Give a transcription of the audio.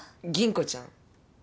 吟子ちゃん。